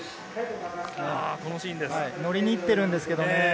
乗りに行っているんですけどね。